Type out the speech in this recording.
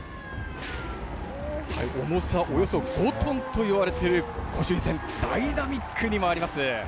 重さおよそ５トンといわれている御朱印船、ダイナミックに回ります。